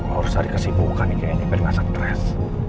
harusnya kesibukan ini enggak stress